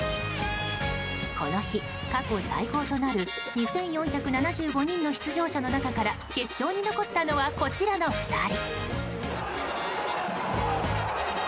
この日、過去最高となる２４７５人の出場者の中から決勝に残ったのはこちらの２人。